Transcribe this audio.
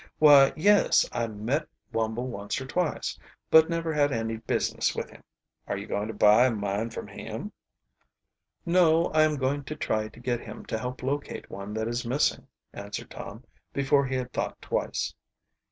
"Why, yes, I met Wumble once or twice, but never had any business with him. Are you going to buy a mine from him?" "No, I am going to try to get him to help locate one that is missing," answered Tom, before he had thought twice.